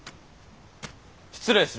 失礼する。